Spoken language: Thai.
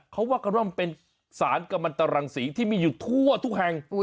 เขาว่ากันว่ามันเป็นสารกำลังตรังศรีที่มีอยู่ทั่วทุกแห่ง